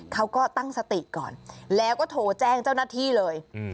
เขาก็ตั้งสติก่อนแล้วก็โทรแจ้งเจ้าหน้าที่เลย